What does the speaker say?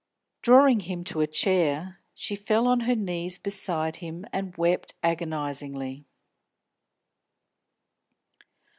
Drawing him to a chair, she fell on her knees beside him and wept agonisingly.